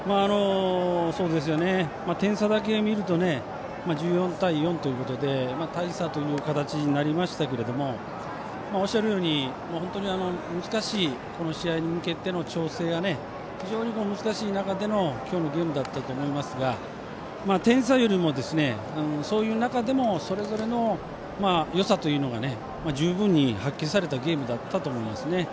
点差だけ見ると１４対４ということで大差という形になりましたけどもおっしゃるようにこの試合に向けての調整が非常に難しい中での今日のゲームだったと思いますが点差よりも、そういう中でもそれぞれのよさというのが十分に発揮されたゲームだったと思いますね。